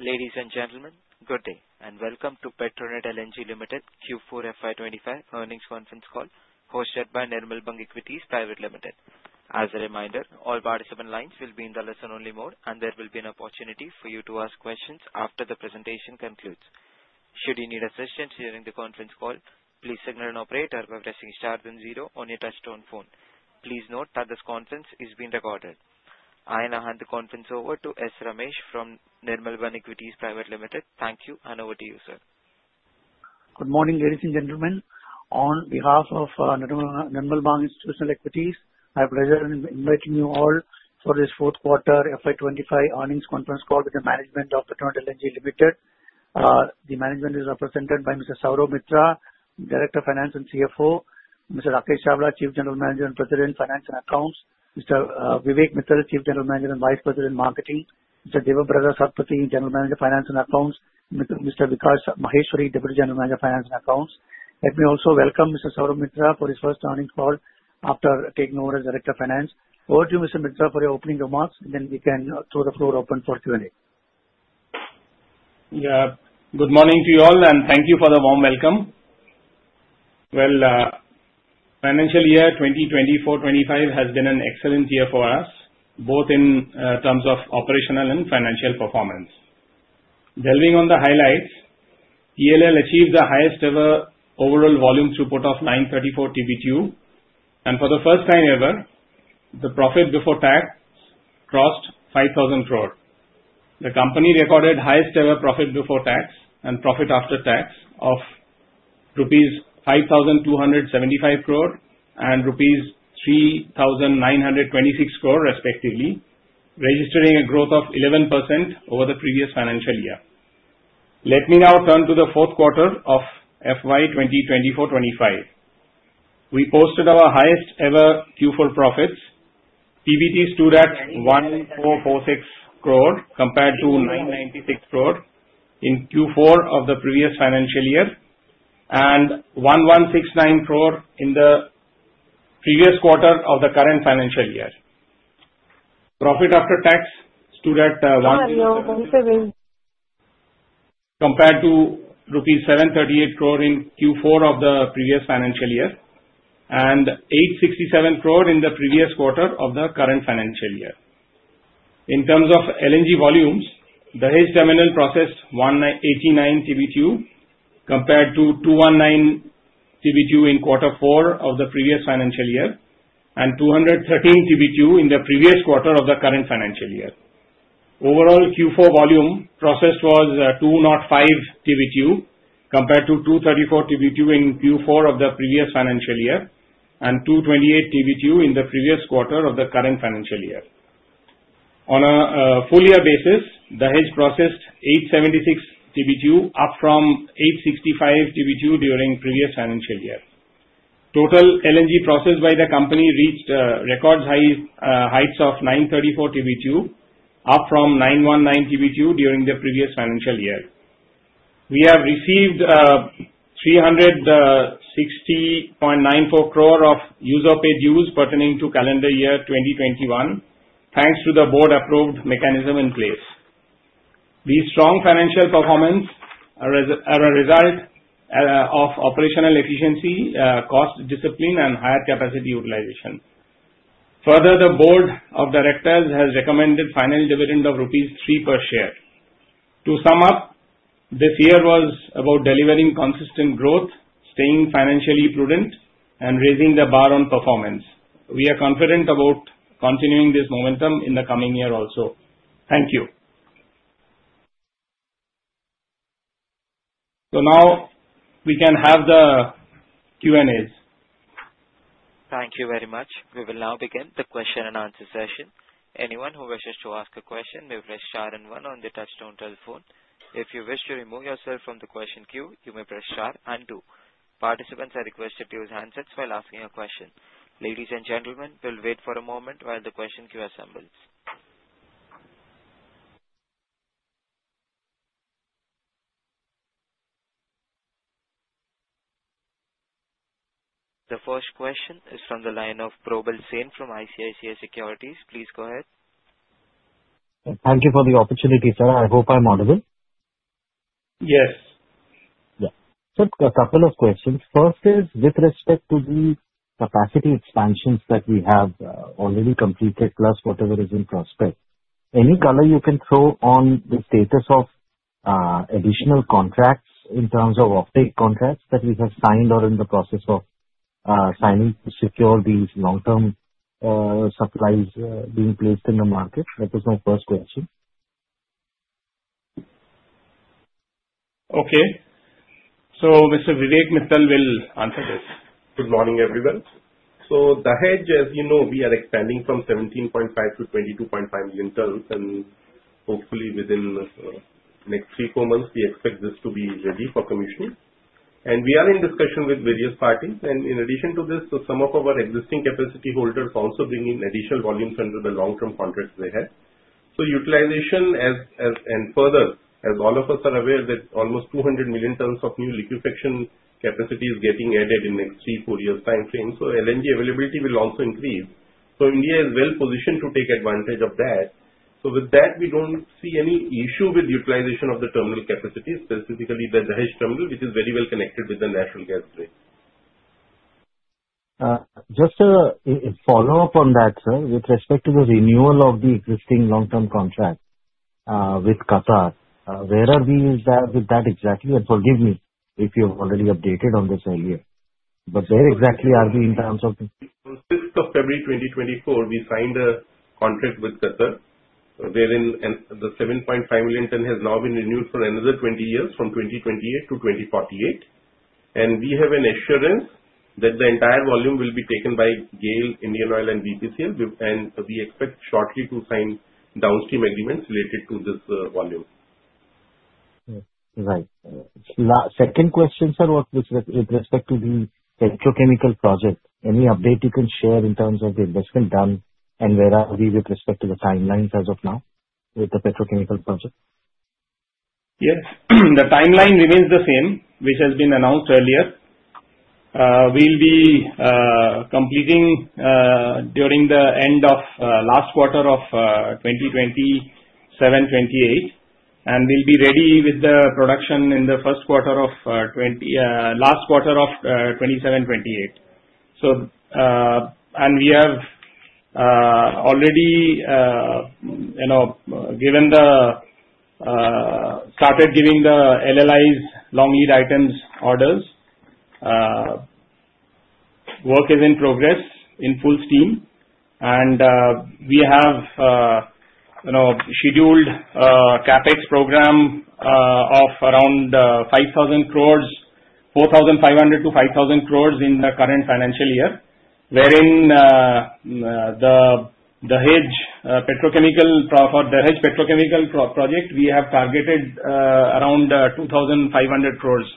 Ladies and gentlemen, good day and welcome to Petronet LNG Limited Q4 FY 2025 earnings conference call hosted by Nirmal Bang Equities Private Limited. As a reminder, all participant lines will be in the listen-only mode, and there will be an opportunity for you to ask questions after the presentation concludes. Should you need assistance during the conference call, please signal an operator by pressing star then zero on your touch-tone phone. Please note that this conference is being recorded. I now hand the conference over to S. Ramesh from Nirmal Bang Equities Private Limited. Thank you, and over to you, sir. Good morning, ladies and gentlemen. On behalf of Nirmal Bang Institutional Equities, I have the pleasure of inviting you all for this fourth quarter FY 2025 earnings conference call with the management of Petronet LNG Limited. The management is represented by Mr. Saurav Mitra, Director of Finance and CFO, Mr. Rakesh Chawla, Chief General Manager and President, Finance and Accounts, Mr. Vivek Mittal, Chief General Manager and Vice President, Marketing, Mr. Debabrata Satpathy, General Manager, Finance and Accounts, Mr. Vikash Maheswari, Deputy General Manager, Finance and Accounts. Let me also welcome Mr. Saurav Mitra for his first earnings call after taking over as Director of Finance. Over to you, Mr. Mitra, for your opening remarks, and then we can throw the floor open for Q&A. Good morning to you all, and thank you for the warm welcome. Well, financial year 2024-2025 has been an excellent year for us, both in terms of operational and financial performance. Delving on the highlights, PLL achieved the highest-ever overall volume throughput of 934 TBTU, and for the first time ever, the profit before tax crossed 5,000 crore. The company recorded highest-ever profit before tax and profit after tax of rupees 5,275 crore and rupees 3,926 crore, respectively, registering a growth of 11% over the previous financial year. Let me now turn to the fourth quarter of FY 2024-2025. We posted our highest-ever Q4 profits. PBT stood at 1,446 crore compared to 996 crore in Q4 of the previous financial year and 1,169 crore in the previous quarter of the current financial year. Profit after tax stood at compared to rupees 738 crore in Q4 of the previous financial year and 867 crore in the previous quarter of the current financial year. In terms of LNG volumes, Dahej Terminal processed 189 TBTU compared to 219 TBTU in Q4 of the previous financial year and 213 TBTU in the previous quarter of the current financial year. Overall, Q4 volume processed was 205 TBTU compared to 234 TBTU in Q4 of the previous financial year and 228 TBTU in the previous quarter of the current financial year. On a full-year basis, Dahej processed 876 TBTU, up from 865 TBTU during the previous financial year. Total LNG processed by the company reached record highs of 934 TBTU, up from 919 TBTU during the previous financial year. We have received 360.94 crore of Use or Pay pertaining to calendar year 2021, thanks to the board-approved mechanism in place. This strong financial performance is a result of operational efficiency, cost discipline, and higher capacity utilization. Further, the board of directors has recommended final dividend of rupees 3 per share. To sum up, this year was about delivering consistent growth, staying financially prudent, and raising the bar on performance. We are confident about continuing this momentum in the coming year also. Thank you. So now we can have the Q&As. Thank you very much. We will now begin the question-and-answer session. Anyone who wishes to ask a question may press star and one on the touch-tone telephone. If you wish to remove yourself from the question queue, you may press star and two. Participants are requested to use handsets while asking a question. Ladies and gentlemen, we'll wait for a moment while the question queue assembles. The first question is from the line of Probal Sen from ICICI Securities. Please go ahead. Thank you for the opportunity, sir. I hope I'm audible. Yes. Yeah. Sir, a couple of questions. First is, with respect to the capacity expansions that we have already completed, plus whatever is in prospect, any color you can throw on the status of additional contracts in terms of off-take contracts that we have signed or in the process of signing to secure these long-term supplies being placed in the market? That is my first question. Okay, so Mr. Vivek Mittal will answer this. Good morning, everyone. So Dahej, as you know, we are expanding from 17.5 million tons-22.5 million tons, and hopefully within the next three or four months, we expect this to be ready for commissioning. And we are in discussion with various parties. And in addition to this, some of our existing capacity holders are also bringing additional volumes under the long-term contracts they have. So utilization, and further, as all of us are aware, that almost 200 million tons of new liquefaction capacity is getting added in the next three, four years' time frame. So LNG availability will also increase. So India is well positioned to take advantage of that. So with that, we don't see any issue with utilization of the terminal capacity, specifically Dahej Terminal, which is very well connected with the natural gas grid. Just a follow-up on that, sir. With respect to the renewal of the existing long-term contract with Qatar, where are we with that exactly? And forgive me if you've already updated on this earlier, but where exactly are we in terms of. 6th of February 2024, we signed a contract with Qatar, wherein the 7.5 million ton has now been renewed for another 20 years, from 2028-2048. And we have an assurance that the entire volume will be taken by GAIL, Indian Oil, and BPCL. And we expect shortly to sign downstream agreements related to this volume. Right. Second question, sir, with respect to the petrochemical project, any update you can share in terms of the investment done and where are we with respect to the timelines as of now with the petrochemical project? Yes. The timeline remains the same, which has been announced earlier. We'll be completing during the end of last quarter of 2027-2028, and we'll be ready with the production in the first quarter of last quarter of 2027-2028. And we have already started giving the LLIs, long lead items orders. Work is in progress in full steam. And we have scheduled CapEx program of around 5,000 crores, 4,500 crores-5,000 crores in the current financial year, wherein the Dahej petrochemical project, we have targeted around 2,500 crores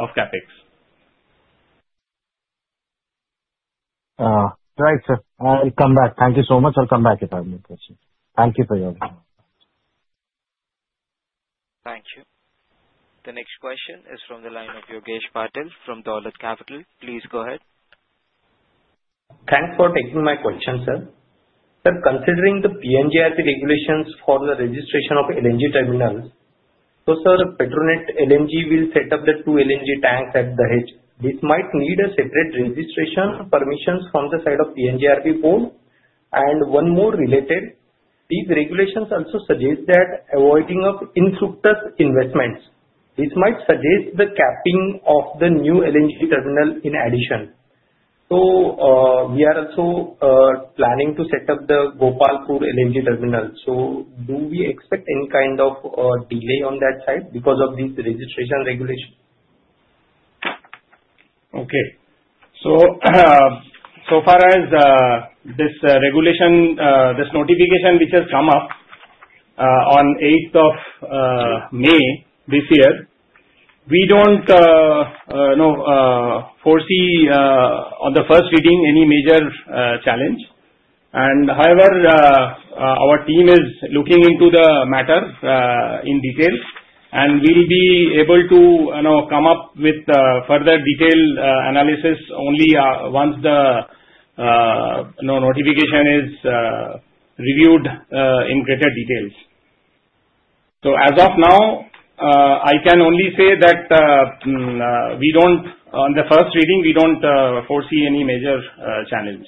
of CapEx. Right, sir. I'll come back. Thank you so much. I'll come back if I have any questions. Thank you for your help. Thank you. The next question is from the line of Yogesh Patil from Dolat Capital. Please go ahead. Thanks for taking my question, sir. Sir, considering the PNGRB regulations for the registration of LNG terminals, so sir, Petronet LNG will set up the two LNG tanks at Dahej. This might need a separate registration permissions from the side of PNGRB board, and one more related, these regulations also suggest that avoiding of infructuous investments. This might suggest the capping of the new LNG terminal in addition, so we are also planning to set up the Gopalpur LNG terminal, so do we expect any kind of delay on that side because of these registration regulations? Okay. So far as this regulation, this notification which has come up on 8th of May this year, we don't foresee on the first reading any major challenge. However, our team is looking into the matter in detail, and we'll be able to come up with further detailed analysis only once the notification is reviewed in greater details. As of now, I can only say that on the first reading, we don't foresee any major challenge.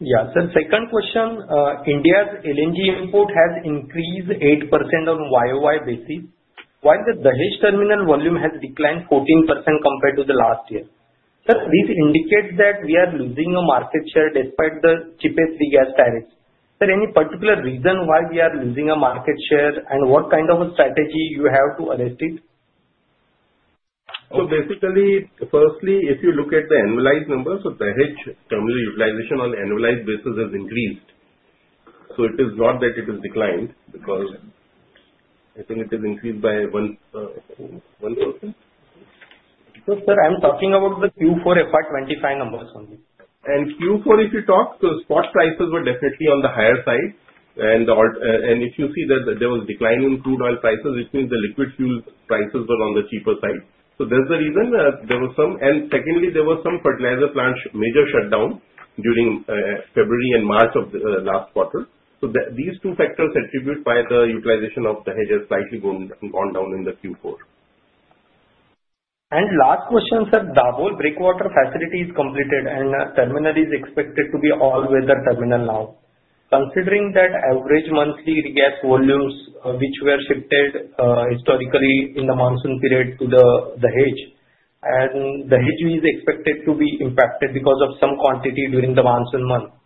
Yeah. Sir, second question, India's LNG input has increased 8% on Y-o-Y basis, while the Dahej Terminal volume has declined 14% compared to the last year. Sir, this indicates that we are losing a market share despite the cheapest regas tariffs. Sir, any particular reason why we are losing a market share, and what kind of a strategy you have to arrest it? So basically, firstly, if you look at the annualized numbers, the Dahej Terminal utilization on annualized basis has increased. So it is not that it has declined because I think it has increased by 1%. So sir, I'm talking about the Q4 FY 2025 numbers only. And Q4, if you talk, spot prices were definitely on the higher side. And if you see that there was a decline in crude oil prices, which means the liquid fuel prices were on the cheaper side. So there's the reason there was some. And secondly, there was some fertilizer plant major shutdown during February and March of the last quarter. So these two factors attribute why the utilization of Dahej has slightly gone down in the Q4. And last question, sir. Dabhol breakwater facility is completed, and terminal is expected to be all weather terminal now. Considering that average monthly gas volumes, which were shifted historically in the monsoon period to Dahej. And Dahej is expected to be impacted because of some quantity during the monsoon month.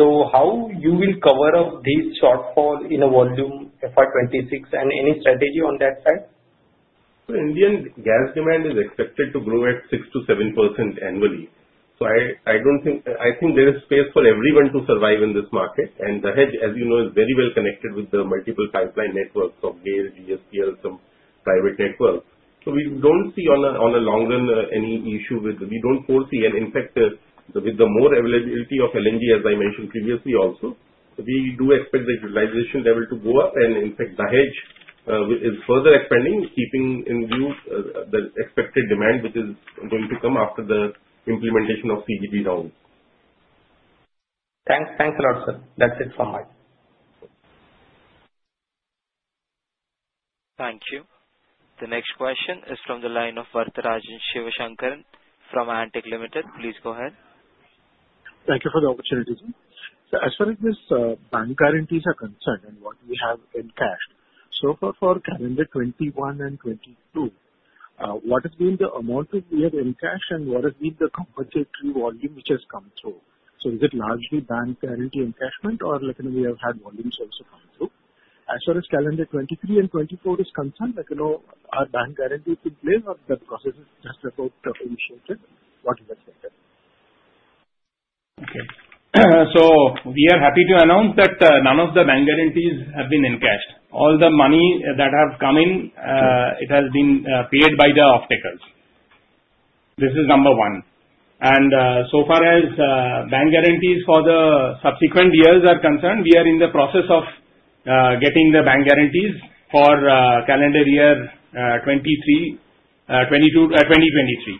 So how you will cover up this shortfall in a volume FY 2026, and any strategy on that side? Indian gas demand is expected to grow at 6%-7% annually. So I think there is space for everyone to survive in this market. And Dahej, as you know, is very well connected with the multiple pipeline networks of GAIL, GSPL, some private networks. So we don't see in the long run any issue. And in fact, with the more availability of LNG, as I mentioned previously also, we do expect the utilization level to go up. And in fact, Dahej is further expanding, keeping in view the expected demand, which is going to come after the implementation of CGD down. Thanks. Thanks a lot, sir. That's it from my side. Thank you. The next question is from the line of Varatharajan Sivasankaran from Antique Limited. Please go ahead. Thank you for the opportunity, sir. So as far as this bank guarantees are concerned and what we have in cash, so for calendar 2021 and 2022, what has been the amount we have in cash, and what has been the compensatory volume which has come through? So is it largely bank guarantee encashment, or we have had volumes also come through? As far as calendar 2023 and 2024 is concerned, are bank guarantees in place, or the process is just about initiated? What is the status? Okay, so we are happy to announce that none of the bank guarantees have been encashed. All the money that have come in, it has been paid by the off-takers. This is number one, and so far as bank guarantees for the subsequent years are concerned, we are in the process of getting the bank guarantees for calendar year 2022, 2023.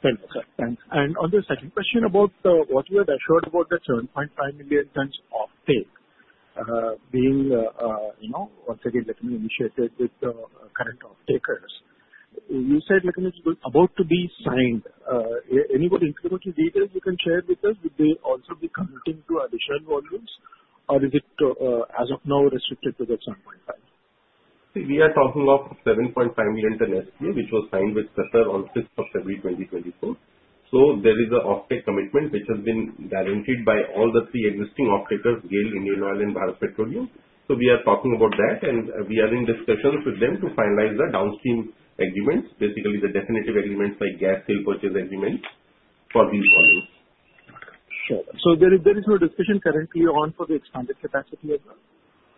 Thank you, sir. Thanks. And on the second question about what we have assured about the 7.5 million tons off-take, being once again, let me initiate it with the current off-takers. You said it's about to be signed. Any more informative details you can share with us? Would they also be committing to additional volumes, or is it, as of now, restricted to the 7.5 million? We are talking of 7.5 million ton SPA, which was signed with Qatar on 6th of February 2024. So there is an off-take commitment which has been guaranteed by all the three existing off-takers, GAIL, Indian Oil, and Bharat Petroleum. So we are talking about that, and we are in discussions with them to finalize the downstream agreements, basically the definitive agreements like gas sale purchase agreements for these volumes. Sure. So there is no discussion currently ongoing for the expanded capacity as well?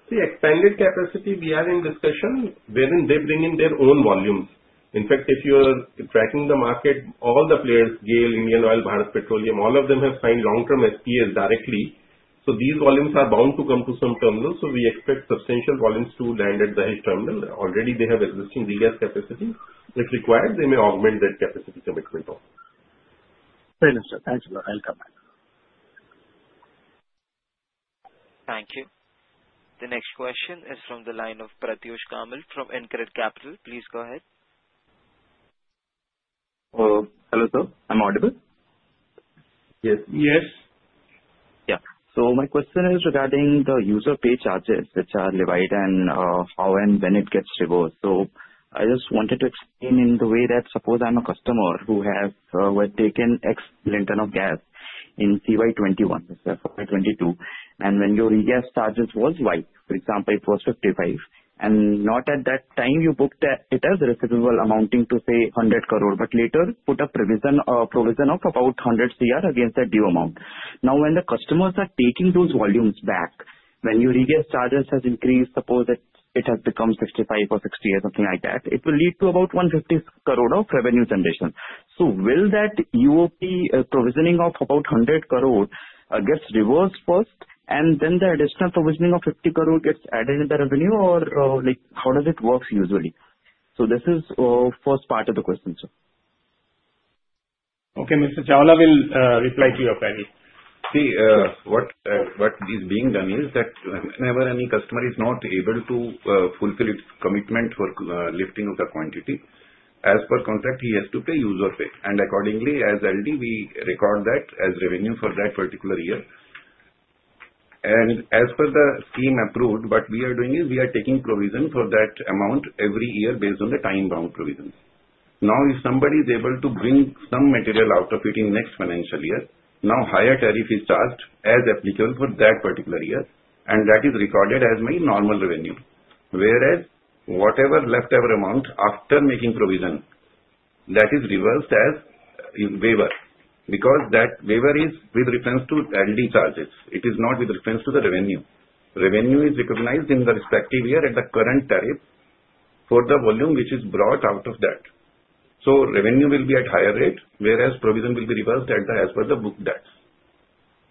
The expanded capacity, we are in discussion, wherein they bring in their own volumes. In fact, if you're tracking the market, all the players, GAIL, Indian Oil, Bharat Petroleum, all of them have signed long-term SPAs directly. So these volumes are bound to come to some terminals. So we expect substantial volumes to land at the Dahej Terminal. Already, they have existing gas capacity. If required, they may augment that capacity commitment also. Fair enough, sir. Thank you. I'll come back. Thank you. The next question is from the line of Pratyush Kamal from InCred Capital. Please go ahead. Hello, sir. I'm audible? Yes. Yes. Yeah. So my question is regarding the Use or Pay charges, which are levied and how and when it gets reversed. So I just wanted to explain in the way that suppose I'm a customer who has taken X million tonnes of gas in CY 2021, FY 2022, and when your re-gas charges was Y, for example, it was 55. And at that time, you booked it as receivable amounting to, say, 100 crore, but later put a provision of about 100 crore against that due amount. Now, when the customers are taking those volumes back, when your re-gas charges have increased, suppose it has become 65 or 60 or something like that, it will lead to about 150 crore of revenue generation. So will that UOP provisioning of about 100 crore gets reversed first, and then the additional provisioning of 50 crore gets added in the revenue, or how does it work usually? So this is the first part of the question, sir. Okay. Mr. Chawla will reply to your query. See, what is being done is that whenever any customer is not able to fulfill its commitment for lifting of the quantity, as per contract, he has to pay Use or Pay, and accordingly, as LD, we record that as revenue for that particular year, and as per the scheme approved, what we are doing is we are taking provision for that amount every year based on the time-bound provision. Now, if somebody is able to bring some material out of it in the next financial year, now higher tariff is charged as applicable for that particular year, and that is recorded as my normal revenue. Whereas whatever leftover amount after making provision, that is reversed as waiver because that waiver is with reference to LD charges. It is not with reference to the revenue. Revenue is recognized in the respective year at the current tariff for the volume which is brought out of that. So revenue will be at higher rate, whereas provision will be reversed as per the booked dates.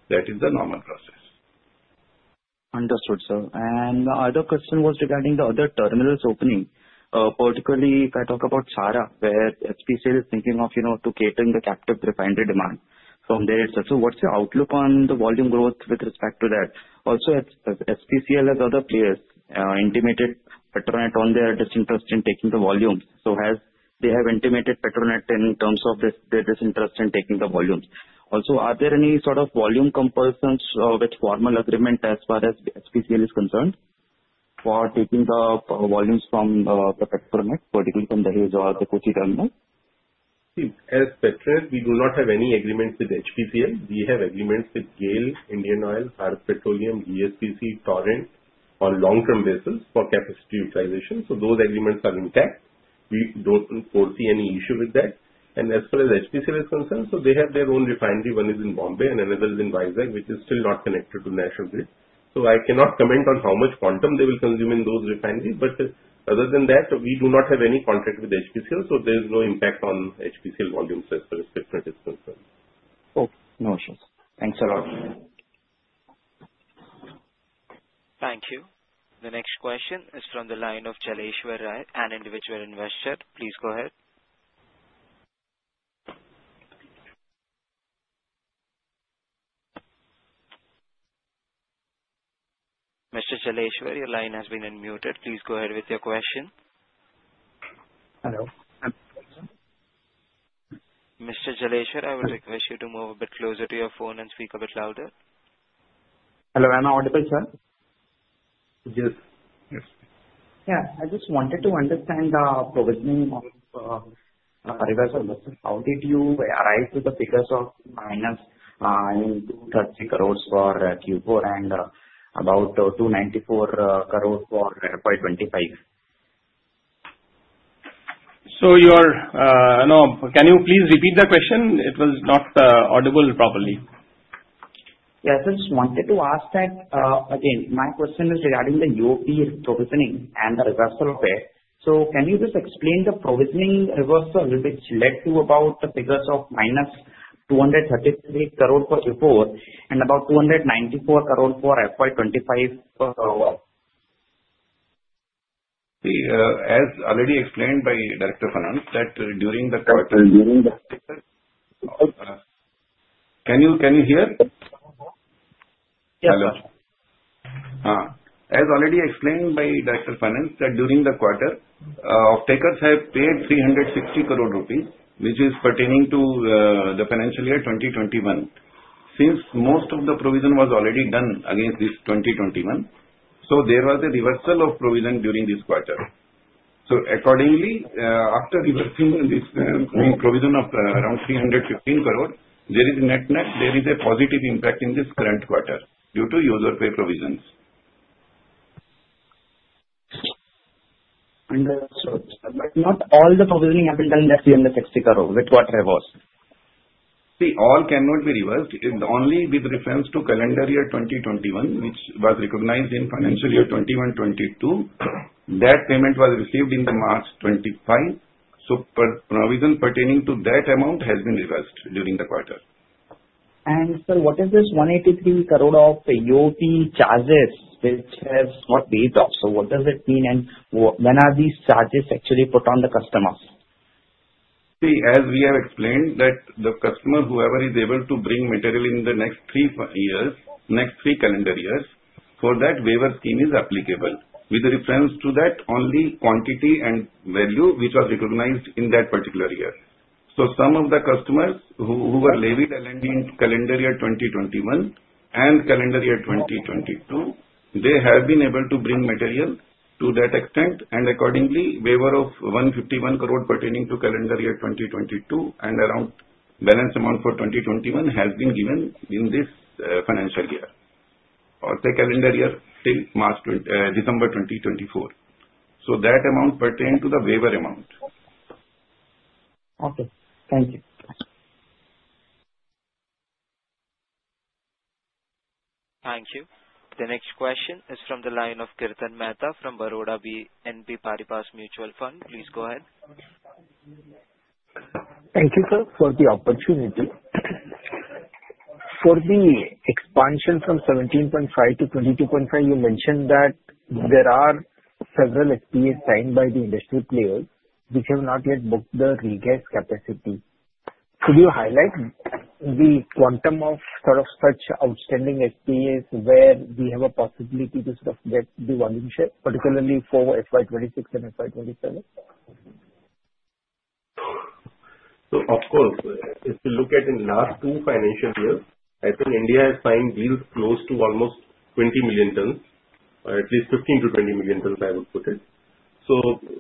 That is the normal process. Understood, sir. And the other question was regarding the other terminals opening. Particularly, if I talk about Chhara, where HPCL is thinking of catering the captive refinery demand from there itself. So what's your outlook on the volume growth with respect to that? Also, HPCL has other players intimated Petronet on their disinterest in taking the volumes. So they have intimated Petronet in terms of their disinterest in taking the volumes. Also, are there any sort of volume compulsions with formal agreement as far as HPCL is concerned for taking the volumes from the Petronet, particularly from the Dahej or the Kochi Terminal? See, as Petronet, we do not have any agreements with HPCL. We have agreements with GAIL, Indian Oil, Bharat Petroleum, GSPC, Torrent on long-term basis for capacity utilization. So those agreements are intact. We don't foresee any issue with that. And as far as HPCL is concerned, so they have their own refinery. One is in Bombay, and another is in Visakhapatnam, which is still not connected to National Grid. So I cannot comment on how much quantum they will consume in those refineries. But other than that, we do not have any contract with HPCL, so there is no impact on HPCL volumes as far as Petronet is concerned. Okay. No issues. Thanks a lot. Thank you. The next question is from the line of Jaleshwar Rai, an individual investor. Please go ahead. Mr. Jaleshwar, your line has been unmuted. Please go ahead with your question. Hello. Mr. Jaleshwar, I will request you to move a bit closer to your phone and speak a bit louder. Hello. I'm audible, sir? Yes. Yes. Yeah. I just wanted to understand the provisioning of reversal. How did you arrive with the figures of -230 crores for Q4 and about 294 crore for FY 2025? Can you please repeat the question? It was not audible properly. Yes. I just wanted to ask that again. My question is regarding the UOP provisioning and the reversal of it. So can you just explain the provisioning reversal which led to about the figures of -233 crore for Q4 and about 294 crore for FY 2025? See, as already explained by Director Finance, that during the quarter. Can you hear? Yes. Hello. As already explained by Director Finance, that during the quarter, off-takers have paid 360 crore rupees, which is pertaining to the financial year 2021. Since most of the provision was already done against this 2021, so there was a reversal of provision during this quarter. So accordingly, after reversing this provision of around 315 crore, there is a net positive impact in this current quarter due to Use or Pay provisions. Sir, but not all the provisioning has been done in that 60 crore with what reversal? See, all cannot be reversed. It's only with reference to calendar year 2021, which was recognized in financial year 2021-2022. That payment was received in March 2025. So provision pertaining to that amount has been reversed during the quarter. Sir, what is this 183 crore of UOP charges, which have not paid off? What does it mean, and when are these charges actually put on the customers? See, as we have explained, that the customer, whoever is able to bring material in the next three calendar years, for that waiver scheme is applicable. With reference to that, only quantity and value, which was recognized in that particular year. So some of the customers who were levied LD in calendar year 2021 and calendar year 2022, they have been able to bring material to that extent. And accordingly, waiver of 151 crore pertaining to calendar year 2022 and around balance amount for 2021 has been given in this financial year, or the calendar year till December 2024. So that amount pertained to the waiver amount. Okay. Thank you. Thank you. The next question is from the line of Kirtan Mehta from Baroda BNP Paribas Mutual Fund. Please go ahead. Thank you, sir, for the opportunity. For the expansion from 17.5 million-22.5 million, you mentioned that there are several SPAs signed by the industry players which have not yet booked the re-gas capacity. Could you highlight the quantum of sort of such outstanding SPAs where we have a possibility to sort of get the volume share, particularly for FY 2026 and FY 2027? Of course, if you look at the last two financial years, I think India has signed deals close to almost 20 million tons, or at least 15 million tons-20 million tons, I would put it. So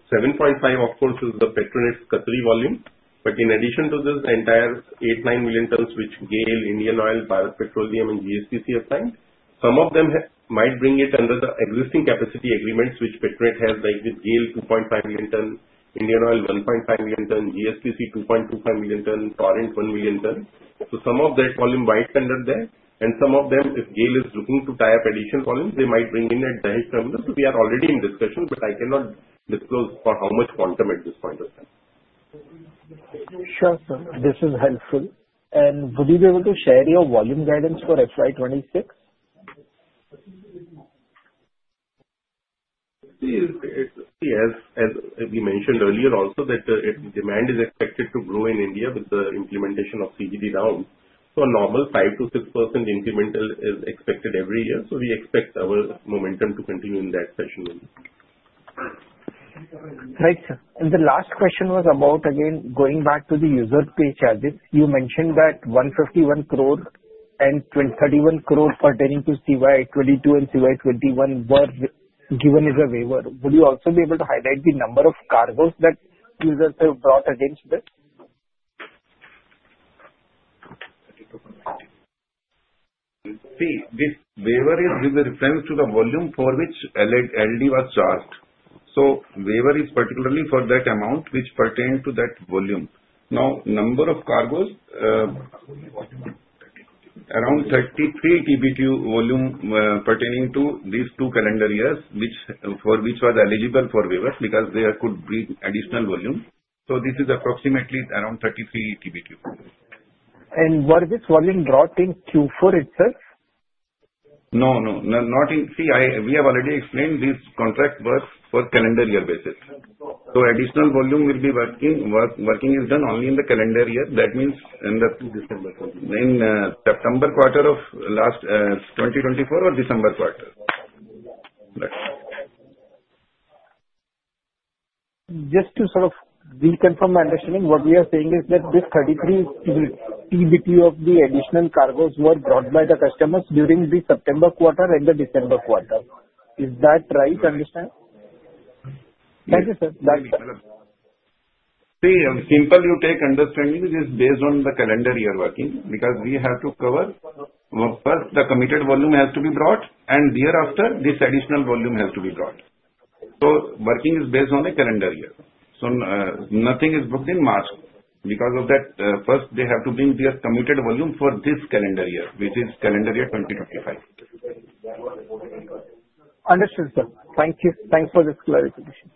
7.5 million, of course, is the Petronet's Qatari volume. But in addition to this, the entire 8 million tons-9 million tons which GAIL, Indian Oil, Bharat Petroleum, and GSPC have signed, some of them might bring it under the existing capacity agreements which Petronet has, like with GAIL 2.5 million ton, Indian Oil 1.5 million ton, GSPC 2.25 million ton, Torrent 1 million ton. So some of that volume might be under there. And some of them, if GAIL is looking to tie up additional volumes, they might bring in at Dahej Terminal. So we are already in discussion, but I cannot disclose for how much quantum at this point of time. Sure, sir. This is helpful, and would you be able to share your volume guidance for FY 2026? See, as we mentioned earlier also, that demand is expected to grow in India with the implementation of CGD rounds. So a normal 5%-6% incremental is expected every year. So we expect our momentum to continue in that session. Right, sir. And the last question was about, again, going back to the user pay charges. You mentioned that 151 crore and 31 crore pertaining to CY 2022 and CY 2021 were given as a waiver. Would you also be able to highlight the number of cargoes that users have brought against this? See, this waiver is with reference to the volume for which LD was charged. So waiver is particularly for that amount which pertained to that volume. Now, number of cargoes, around 33 TBTU volume pertaining to these two calendar years, for which was eligible for waiver because there could be additional volume. So this is approximately around 33 TBTU. Was this volume brought in Q4 itself? No, no. See, we have already explained this contract works for calendar year basis. So additional volume will be working. Working is done only in the calendar year. That means in the September quarter of last 2024 or December quarter. Just to sort of reconfirm my understanding, what we are saying is that this 33 TBTU of the additional cargoes were brought by the customers during the September quarter and the December quarter. Is that right? Understand? Thank you, sir. See, simply, your understanding is based on the calendar year working because we have to cover first the committed volume has to be brought, and thereafter this additional volume has to be brought. So, working is based on a calendar year. So, nothing is booked in March because of that. First, they have to bring their committed volume for this calendar year, which is calendar year 2025. Understood, sir. Thank you. Thanks for this clarification.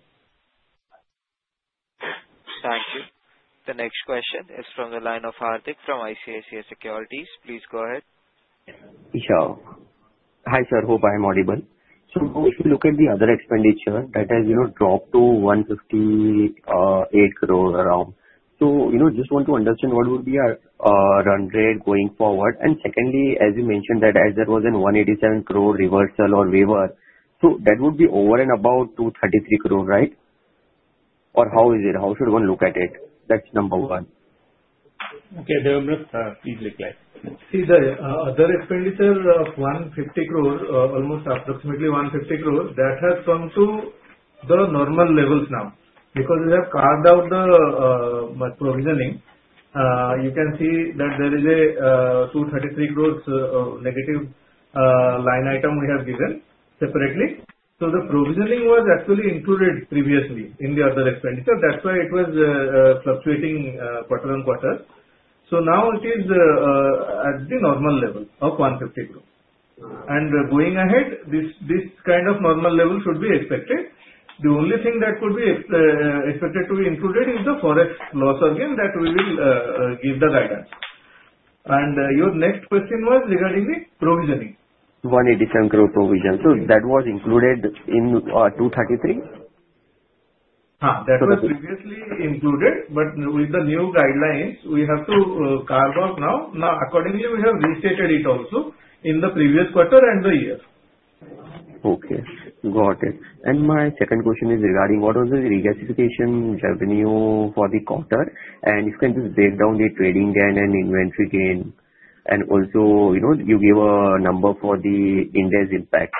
Thank you. The next question is from the line of Hardik from ICICI Securities. Please go ahead. Hi, sir. I hope I'm audible. So if you look at the other expenditure, that has dropped to around 158 crore. So I just want to understand what would be our run rate going forward. And secondly, as you mentioned that there was an 187 crore reversal or waiver, so that would be over and above 233 crore, right? Or how is it? How should one look at it? That's number one. Okay. Debabrata, please reply. See, the other expenditure of 150 crore, almost approximately 150 crore, that has come to the normal levels now. Because we have carved out the provisioning, you can see that there is a 233 crore negative line item we have given separately. So the provisioning was actually included previously in the other expenditure. That's why it was fluctuating quarter on quarter. So now it is at the normal level of 150 crore. And going ahead, this kind of normal level should be expected. The only thing that could be expected to be included is the forex loss again that we will give the guidance. And your next question was regarding the provisioning. 187 crores provision. So that was included in 233 crores? That was previously included. But with the new guidelines, we have to carve out now. Now, accordingly, we have restated it also in the previous quarter and the year. Okay. Got it. And my second question is regarding what was the regasification revenue for the quarter? And if you can just break down the trading gain and inventory gain? And also, you gave a number for the Ind AS impact.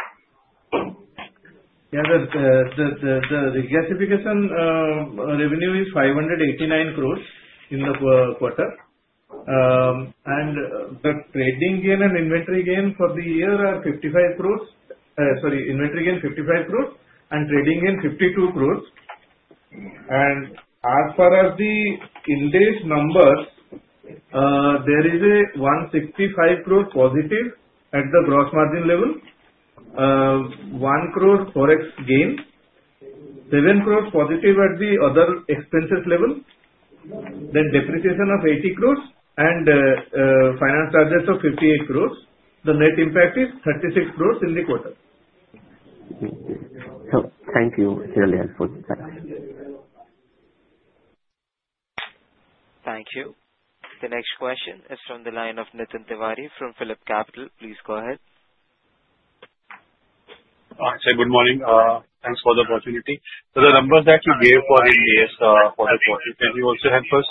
Yeah, sir. The regasification revenue is 589 crores in the quarter. And the trading gain and inventory gain for the year are 55 crores. Sorry, inventory gain 55 crores and trading gain 52 crores. And as far as the Ind AS numbers, there is a 165 crores positive at the gross margin level, 1 crore forex gain, 7 crores positive at the other expenses level, then depreciation of 80 crores, and finance charges of 58 crores. The net impact is 36 crores in the quarter. Thank you. It's really helpful. Thanks. Thank you. The next question is from the line of Nitin Tiwari from PhillipCapital. Please go ahead. Hi, sir. Good morning. Thanks for the opportunity. So the numbers that you gave for Ind AS for the quarter, can you also help us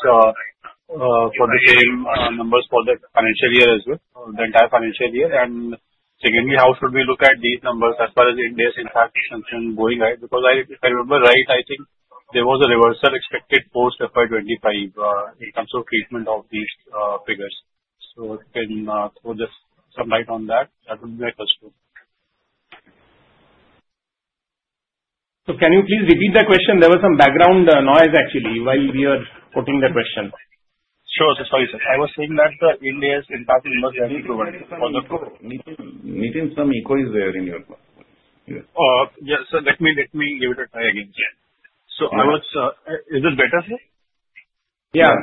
for the same numbers for the financial year as well, the entire financial year? And secondly, how should we look at these numbers as far as Ind AS impact is going ahead? Because I remember, right, I think there was a reversal expected post FY 2025 in terms of treatment of these figures. So can you throw some light on that? That would be my question. So can you please repeat the question? There was some background noise, actually, while we were putting the question. Sure, sir. Sorry, sir. I was saying that Ind AS impact in 2021 for the quarter. Hearing some echoes there in your voice. Yes, sir. Let me give it a try again. So is it better, sir? Yeah.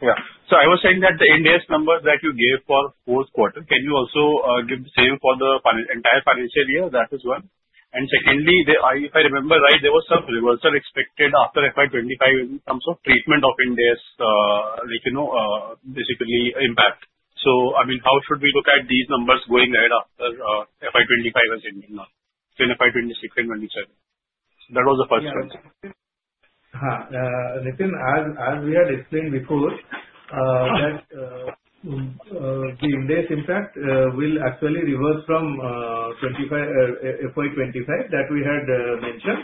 Yeah. So I was saying that the Ind AS numbers that you gave for fourth quarter, can you also give the same for the entire financial year? That is one. And secondly, if I remember right, there was some reversal expected after FY 2025 in terms of treatment of Ind AS, basically impact. So I mean, how should we look at these numbers going ahead after FY 2025 has ended now, in FY 2026 and 27? That was the first question. Ha. Nitin, as we had explained before, that the Ind AS impact will actually reverse from FY 2025 that we had mentioned,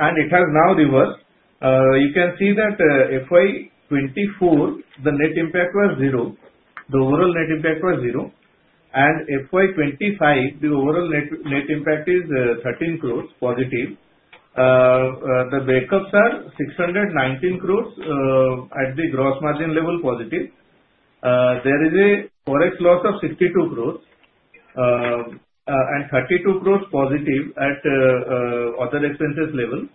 and it has now reversed. You can see that FY 2024, the net impact was zero. The overall net impact was zero, and FY 2025, the overall net impact is 13 crores positive. The breakups are 619 crores at the gross margin level positive. There is a forex loss of 62 crores and 32 crores positive at other expenses level,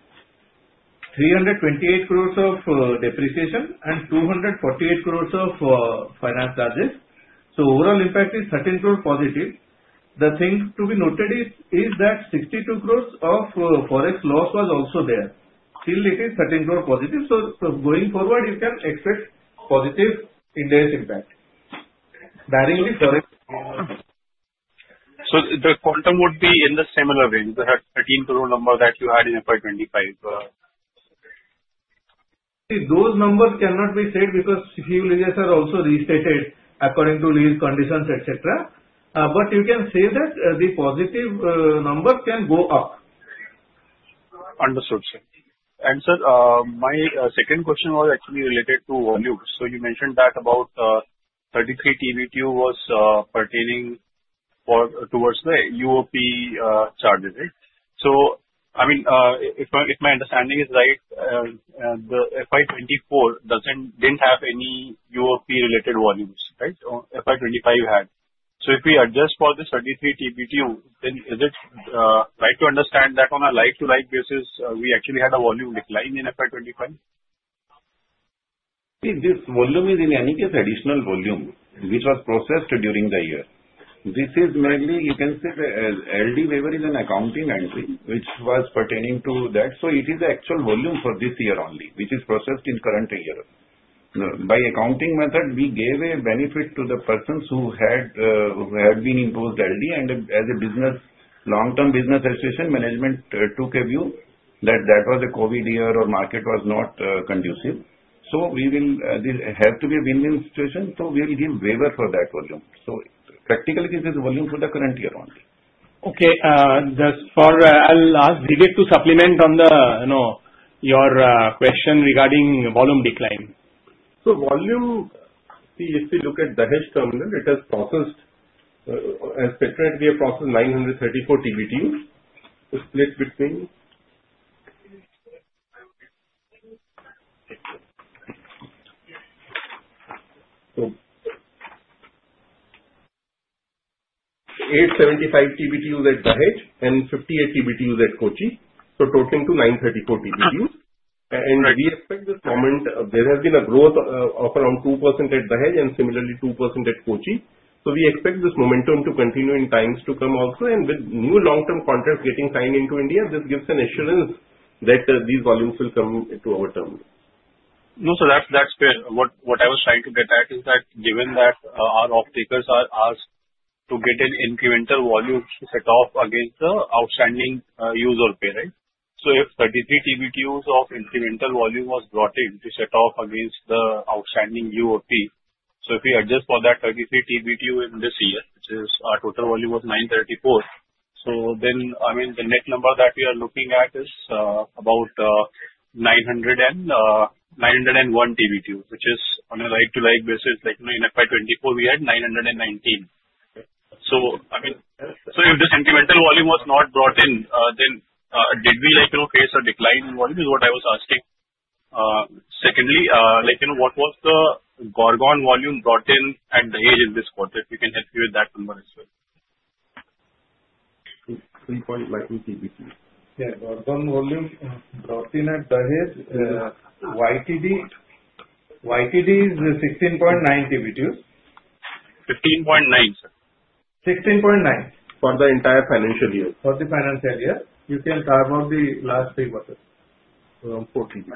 328 crores of depreciation, and 248 crores of finance charges, so overall impact is 13 crores positive. The thing to be noted is that 62 crores of forex loss was also there. Still, it is 13 crores positive, so going forward, you can expect positive Ind AS impact. So the quantum would be in the similar range? The 13 crore number that you had in FY 2025? See, those numbers cannot be said because a few leaser are also restated according to these conditions, etc. But you can say that the positive numbers can go up. Understood, sir. And sir, my second question was actually related to volumes. So you mentioned that about 33 TBTU was pertaining towards the UOP charges, right? So I mean, if my understanding is right, the FY 2024 didn't have any UOP-related volumes, right? FY 2025 had. So if we adjust for the 33 TBTU, then is it right to understand that on a like-to-like basis, we actually had a volume decline in FY 2025? See, this volume is in any case additional volume which was processed during the year. This is mainly, you can say, the LD waiver is an accounting entry which was pertaining to that. So it is the actual volume for this year only, which is processed in current year. By accounting method, we gave a benefit to the persons who had been imposed LD and as a business, long-term business association management took a view that that was a COVID year or market was not conducive. So we will have to be a win-win situation. So we will give waiver for that volume. So practically, this is volume for the current year only. Okay. I'll ask Vivek to supplement on your question regarding volume decline. So volume, if you look at the Dahej Terminal, it has processed as separately, it processed 934 TBTU split between 875 TBTUs at Dahej and 58 TBTUs at Kochi. So totaling to 934 TBTUs. And we expect this moment, there has been a growth of around 2% at Dahej and similarly 2% at Kochi. So we expect this momentum to continue in times to come also. And with new long-term contracts getting signed into India, this gives an assurance that these volumes will come to our terminal. No, sir, that's fair. What I was trying to get at is that given that our off-takers are asked to get an incremental volume to set off against the outstanding user pay rate. So if 33 TBTUs of incremental volume was brought in to set off against the outstanding UOP, so if we adjust for that 33 TBTU in this year, which is our total volume was 934, so then I mean, the net number that we are looking at is about 901 TBTU, which is on a like-to-like basis. Like in FY 2024, we had 919. So if the incremental volume was not brought in, then did we face a decline in volume is what I was asking. Secondly, what was the Gorgon volume brought in at Dahej in this quarter? If you can help me with that number as well. 16.9 TBTU. Yeah, Gorgon volume brought in at Dahej is YTD. YTD is 16.9 TBTUs. 15.9, sir. 16.9. For the entire financial year. For the financial year, you can carve out the last three quarters. 3.9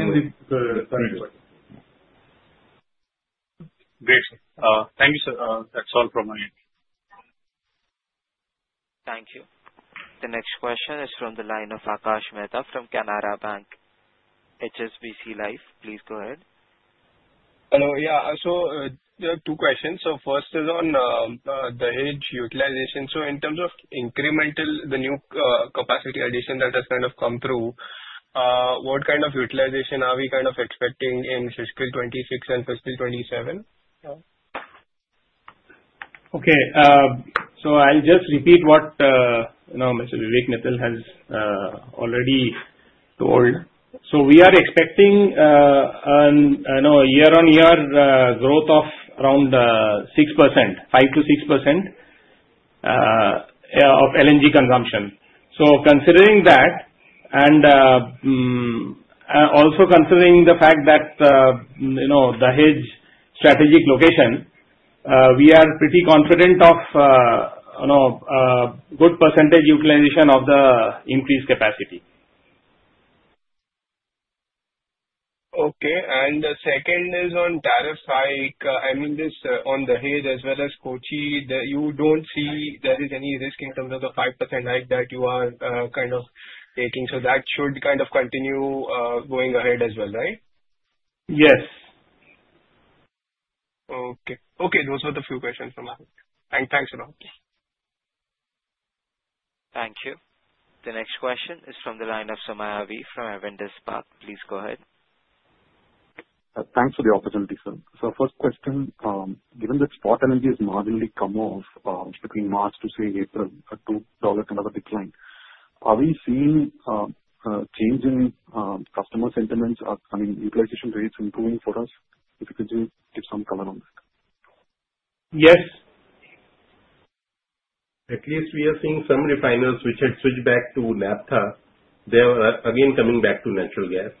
in the third quarter. Great, sir. Thank you, sir. That's all from my end. Thank you. The next question is from the line of Akash Mehta from Canara HSBC Life. Please go ahead. Hello. Yeah. So there are two questions, so first is on the Dahej utilization. So in terms of incremental, the new capacity addition that has kind of come through, what kind of utilization are we kind of expecting in fiscal 2026 and fiscal 2027? Okay. So I'll just repeat what Vivek Mittal has already told. So we are expecting a year-on-year growth of around 5%-6% of LNG consumption. So considering that and also considering the fact that Dahej's strategic location, we are pretty confident of good percentage utilization of the increased capacity. Okay. And the second is on tariff hike. I mean, on Dahej as well as Kochi, you don't see there is any risk in terms of the 5% hike that you are kind of taking. So that should kind of continue going ahead as well, right? Yes. Okay. Okay. Those were the few questions from me. Thanks a lot. Thank you. The next question is from the line of Somaiah V. from Avendus Spark. Please go ahead. Thanks for the opportunity, sir. So first question, given that spot energy has marginally come off between March to, say, April, but dollar can have a decline, are we seeing a change in customer sentiments? I mean, utilization rates improving for us? If you could just give some color on that. Yes. At least we are seeing some refiners which had switched back to naphtha, they are again coming back to natural gas.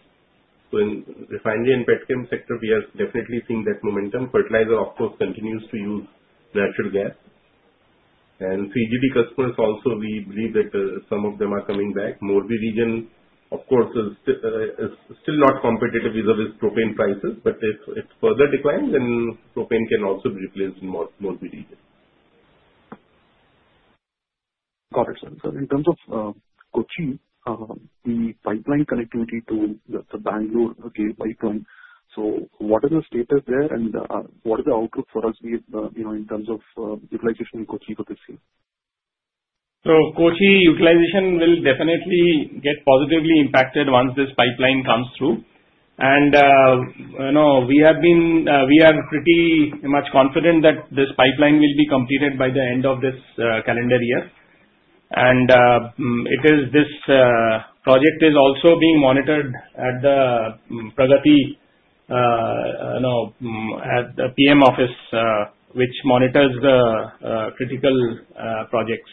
So in the refinery and petrochem sector, we are definitely seeing that momentum. Fertilizer, of course, continues to use natural gas. And CGD customers also, we believe that some of them are coming back. Morbi region, of course, is still not competitive vis-à-vis propane prices. But if it further declines, then propane can also be replaced in Morbi region. Got it, sir. So in terms of Kochi, the pipeline connectivity to the Kochi-Bangalore pipeline, so what is the status there and what is the outlook for us in terms of utilization in Kochi for this year? Kochi utilization will definitely get positively impacted once this pipeline comes through, and we have been pretty much confident that this pipeline will be completed by the end of this calendar year. This project is also being monitored at the PRAGATI PM office, which monitors the critical projects.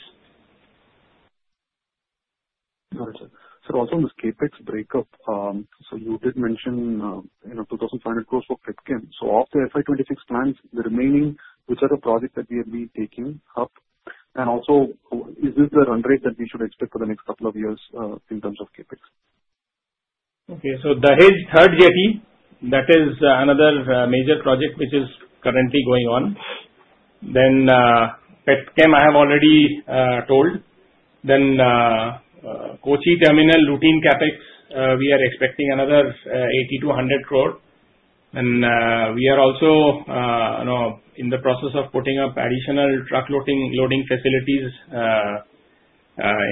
Got it, sir. So also on the CapEx breakup, so you did mention 2,500 crores for petrochemicals. So of the FY 2026 plans, the remaining, which are the projects that we have been taking up? And also, is this the run rate that we should expect for the next couple of years in terms of CapEx? Okay. So Dahej third jetty, that is another major project which is currently going on. Then petrochemicals, I have already told. Then Kochi Terminal routine CapEx, we are expecting another 80 crores-100 crores. We are also in the process of putting up additional truck loading facilities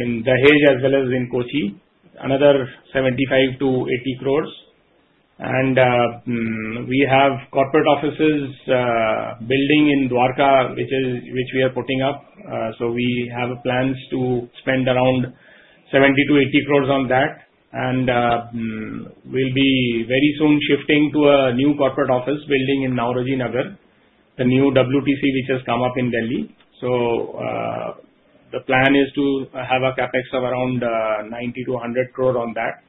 in Dahej as well as in Kochi, another 75 crores-80 crores. We have corporate offices building in Dwarka, which we are putting up. We have plans to spend around 70 crores-80 crores on that. We'll be very soon shifting to a new corporate office building in Nauroji Nagar, the new WTC which has come up in Delhi. The plan is to have a CapEx of around 90 crores-100 crores on that.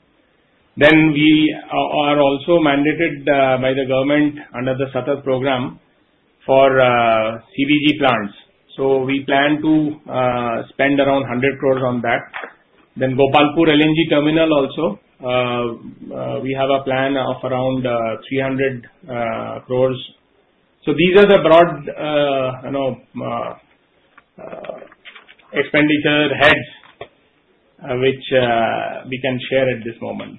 We are also mandated by the government under the SATAT program for CBG plants. So we plan to spend around 100 crores on that. Then Gopalpur LNG terminal also, we have a plan of around 300 crores. So these are the broad expenditure heads which we can share at this moment.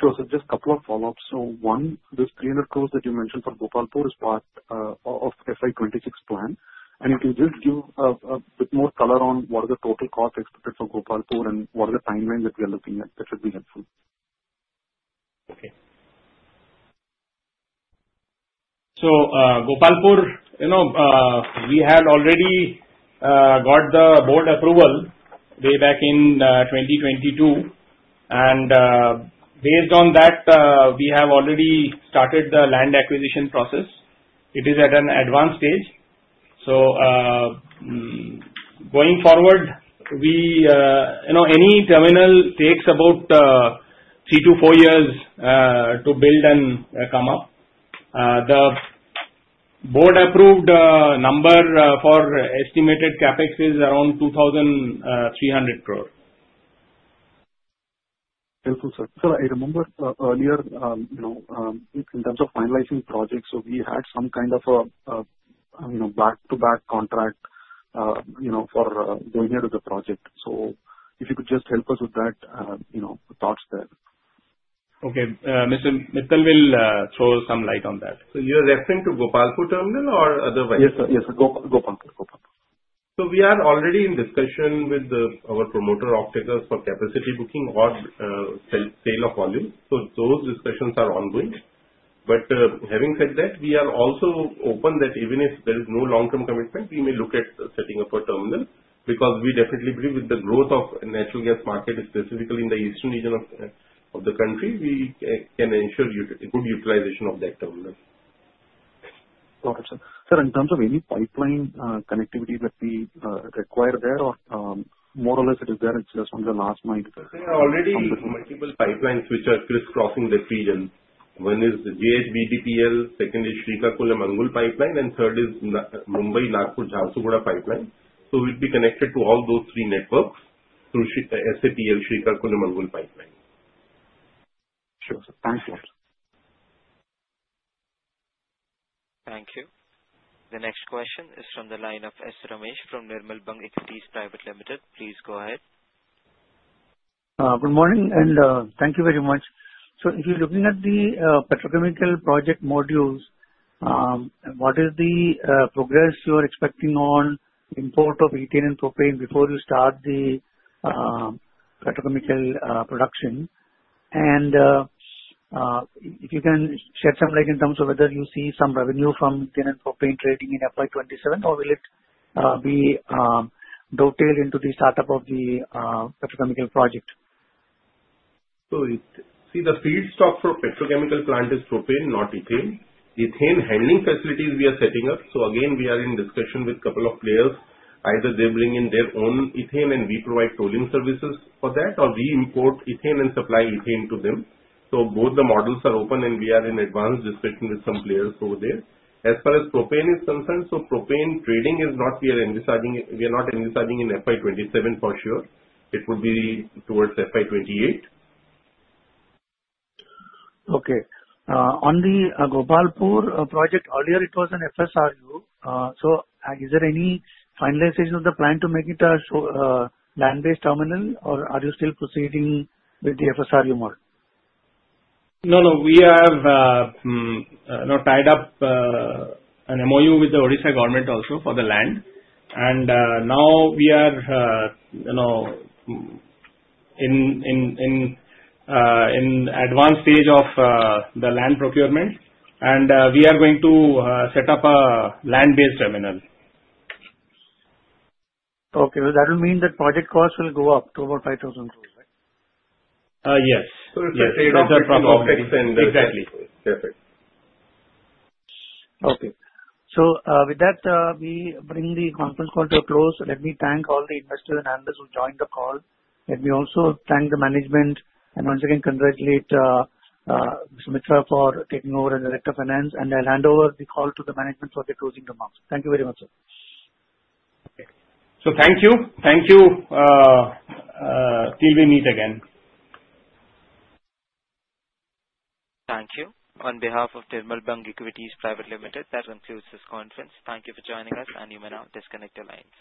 Sure, sir. Just a couple of follow-ups. So, one, this 300 crores that you mentioned for Gopalpur is part of FY 2026 plan. And if you just give a bit more color on what is the total cost expected for Gopalpur and what is the timeline that we are looking at, that should be helpful. Okay. So Gopalpur, we had already got the board approval way back in 2022. And based on that, we have already started the land acquisition process. It is at an advanced stage. So going forward, any terminal takes about three to four years to build and come up. The board-approved number for estimated CapEx is around 2,300 crore. Thank you, sir. Sir, I remember earlier, in terms of finalizing projects, so we had some kind of a back-to-back contract for going ahead with the project. So if you could just help us with that, thoughts there. Okay. Mr. Mittal will throw some light on that. So you are referring to Gopalpur terminal or otherwise? Yes, sir. Yes, sir. Gopalpur. Gopalpur. So we are already in discussion with our promoter off-takers for capacity booking or sale of volume. So those discussions are ongoing. But having said that, we are also open that even if there is no long-term commitment, we may look at setting up a terminal because we definitely believe with the growth of the natural gas market, specifically in the eastern region of the country, we can ensure good utilization of that terminal. Got it, sir. Sir, in terms of any pipeline connectivity that we require there or more or less, it is there just on the last nine. There are already multiple pipelines which are crisscrossing this region. One is JHBDPL, second is Srikakulam-Angul pipeline, and third is Mumbai-Nagpur-Jharsuguda pipeline. So we'll be connected to all those three networks through the Srikakulam-Angul pipeline. Sure, sir. Thank you, sir. Thank you. The next question is from the line of S. Ramesh from Nirmal Bang Equities Private Limited. Please go ahead. Good morning and thank you very much, so if you're looking at the petrochemical project modules, what is the progress you are expecting on import of ethane and propane before you start the petrochemical production? And if you can shed some light in terms of whether you see some revenue from ethane and propane trading in FY 2027, or will it be dovetailed into the startup of the petrochemical project? So see, the feedstock for petrochemical plant is propane, not ethane. Ethane handling facilities we are setting up. So again, we are in discussion with a couple of players. Either they bring in their own ethane and we provide tolling services for that, or we import ethane and supply ethane to them. So both the models are open and we are in advanced discussion with some players over there. As far as propane is concerned, so propane trading is not we are envisaging in FY 2027 for sure. It would be towards FY 2028. Okay. On the Gopalpur project, earlier it was an FSRU, so is there any finalization of the plan to make it a land-based terminal, or are you still proceeding with the FSRU model? No, no. We have tied up an MOU with the Odisha government also for the land, and now we are in advanced stage of the land procurement, and we are going to set up a land-based terminal. Okay. So that will mean that project costs will go up to about 5,000 crores, right? Yes. So if you trade off the propane, exactly. Exactly. Perfect. Okay, so with that, we bring the conference call to a close. Let me thank all the investors and analysts who joined the call. Let me also thank the management and once again congratulate Mr. Mitra for taking over as Director of Finance, and I'll hand over the call to the management for the closing remarks. Thank you very much, sir. So thank you. Thank you. Till we meet again. Thank you. On behalf of Nirmal Bang Equities Private Limited, that concludes this conference. Thank you for joining us, and you may now disconnect the line.